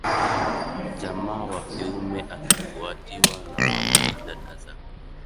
jamaa wa kiume akifuatiwa na mama na dada zake